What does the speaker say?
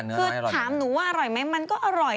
คือถามหนูว่าอร่อยไหมมันก็อร่อย